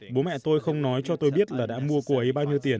bố mẹ tôi không nói cho tôi biết là đã mua cô ấy bao nhiêu tiền